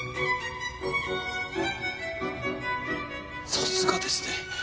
さすがですね。